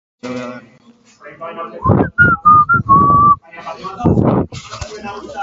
Goizean ekialdeko haizea ibiliko da, eta arratsaldean iparraldekoa, bereziki kantauri isurialdean.